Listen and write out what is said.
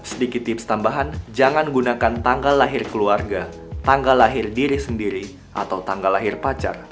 sedikit tips tambahan jangan gunakan tanggal lahir keluarga tanggal lahir diri sendiri atau tanggal lahir pacar